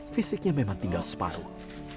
fisiknya memang tinggal separuh